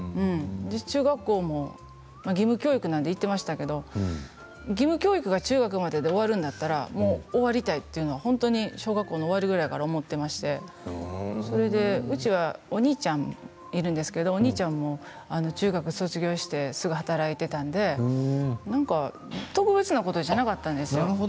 中学校も義務教育なので行っていましたけど義務教育が中学までで終わるんだったらもう終わりたいというのは本当に小学校の終わりぐらいから思っていましてうちはお兄ちゃんがいるんですけどお兄ちゃんも中学卒業してすぐ働いていたので特別なことじゃなかったんですよ。